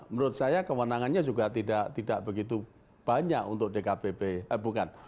menurut saya kewenangannya juga tidak begitu banyak untuk dkpp eh bukan